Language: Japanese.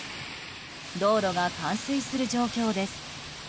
道路が冠水する状況です。